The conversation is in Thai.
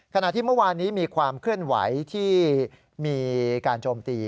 ขณะที่เมื่อวานนี้มีความเคลื่อนไหวที่มีการโจมตี